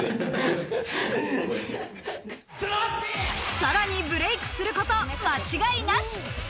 さらにブレークすること間違いなし。